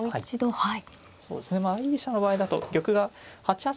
はい。